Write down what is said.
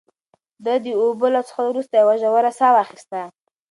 ده د اوبو له څښلو وروسته یوه ژوره ساه واخیسته.